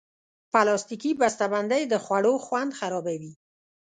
پلاستيکي بستهبندۍ د خوړو خوند خرابوي.